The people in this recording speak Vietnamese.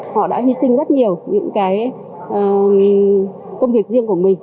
họ đã hy sinh rất nhiều những cái công việc riêng của mình